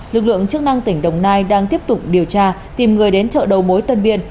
lực lượng chức năng tỉnh đồng nai đang tiếp tục điều tra tìm người đến chợ đầu mối tân biên